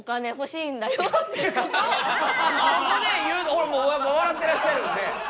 ほらもう笑ってらっしゃるんで。